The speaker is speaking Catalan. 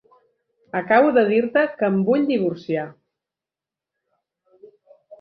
Acabo de dir-te que em vull divorciar.